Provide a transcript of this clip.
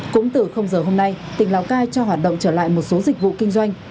cũng từ giờ hôm nay tỉnh lào cai cho hoạt động trở lại một số dịch vụ kinh doanh